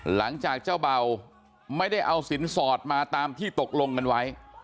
หลังจากเจ้าเบาไม่ได้เอาสินสอดมาตามที่ตกลงกันไว้